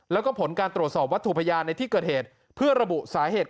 แล้วก็ผลการตรวจสอบวัตถุพยานในที่เกิดเหตุเพื่อระบุสาเหตุ